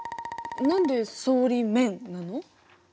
何で層理「面」なの？